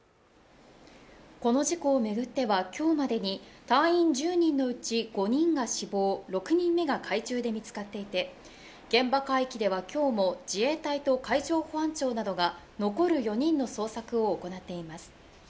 この事故を巡っては今日までに隊員１０人のうち５人が死亡、６人目が海中で見つかっていて、現場海域では今日も自衛隊と海上保安庁などが残る４人の捜索を行っています。